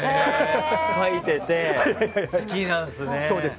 描いてて好きなんですね。